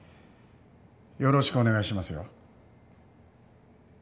よろしくお願いしますよ。